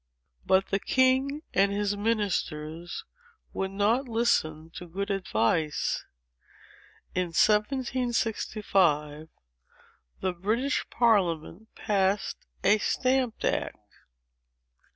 But the king and his ministers would not listen to good advice. In 1765, the British Parliament passed a Stamp Act."